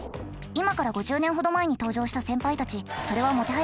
今から５０年ほど前に登場した先輩たちそれはもてはやされたそうです。